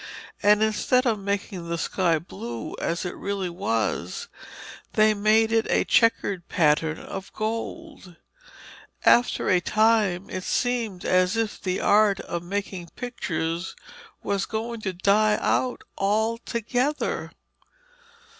And instead of making the sky blue as it really was, they made it a chequered pattern of gold. After a time it seemed as if the art of making pictures was going to die out altogether.